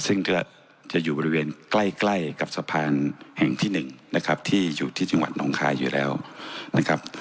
ซึ่งก็จะอยู่บริเวณใกล้ใกล้กับสะพานแห่งที่หนึ่งนะครับที่อยู่ที่จังหวัดน้องคายอยู่แล้วนะครับ